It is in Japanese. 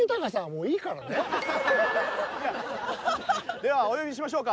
ではお呼びしましょうか。